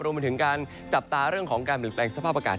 มาถึงการจับตาเรื่องของการเปลี่ยนแปลงสภาพอากาศ